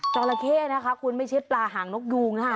ราเข้นะคะคุณไม่ใช่ปลาหางนกยูงนะคะ